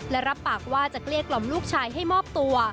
และรับปากว่าจะเกลี้ยกล่อมลูกชายให้มอบตัว